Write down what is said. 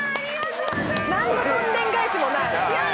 なんのどんでん返しもない。